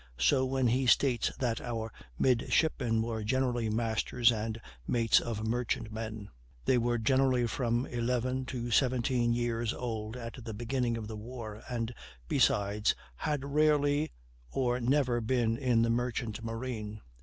So, when he states that our midshipmen were generally masters and mates of merchantmen; they were generally from eleven to seventeen years old at the beginning of the war, and besides, had rarely or never been in the merchant marine.